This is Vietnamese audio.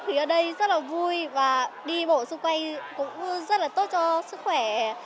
thì ở đây rất là vui và đi bộ xung quanh cũng rất là tốt cho sức khỏe